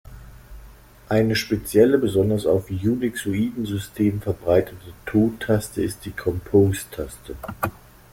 Eine spezielle, besonders auf unixoiden Systemen verbreitete Tottaste ist die Compose-Taste.